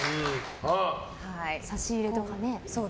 差し入れとかね。